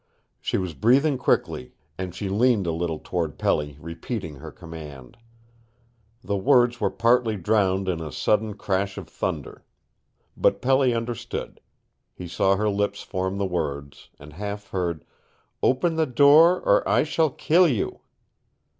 She was breathing quickly, and she leaned a little toward Pelly, repeating her command. The words were partly drowned in a sudden crash of thunder. But Pelly understood. He saw her lips form the words, and half heard, "Open the door, or I shall kill you!"